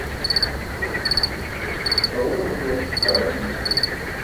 cʰaġurumulo kaawa mine